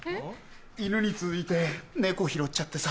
犬に続いて猫拾っちゃってさ。